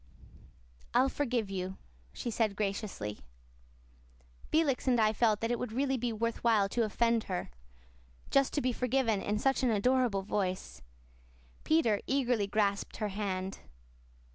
"I forgive you," she said graciously. Felix and I felt that it would really be worth while to offend her, just to be forgiven in such an adorable voice. Peter eagerly grasped her hand.